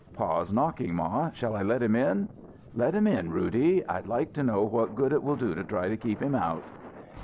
"Pa's knocking, ma; shall I let him in?" "Let him in, Roody. I'd like to know what good it will do to try to keep him out."